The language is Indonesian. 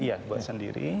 iya buat sendiri